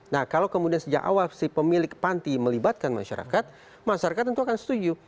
nah kalau kemudian sejak awal si pemilik panti melibatkan masyarakat masyarakat tentu akan setuju